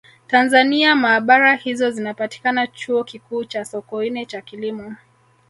Tanzania maabara hizo zinapatikana Chuo Kikuu cha Sokoine cha Kilimo